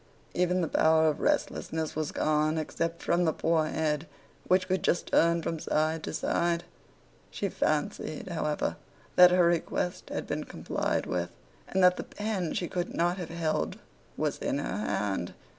Even the power of restlessness was gone, except from the poor head, which could just turn from side to side. She fancied, however, that her request had been complied with, and that the pen she could not have held was in her hand.